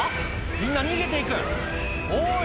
みんな逃げていくおい